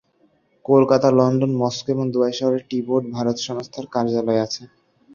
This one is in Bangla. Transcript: কলকাতা, লন্ডন, মস্কো এবং দুবাই শহরে টি বোর্ড, ভারত সংস্থার কার্যালয় আছে।